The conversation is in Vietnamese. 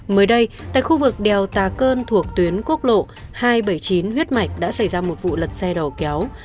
mới đây tại khu vực đèo tà cơn thuộc tuyến quốc lộ hai trăm bảy mươi chín huyết mạch đã xảy ra một vụ lật xe đầu kéo